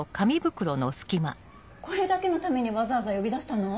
これだけのためにわざわざ呼び出したの？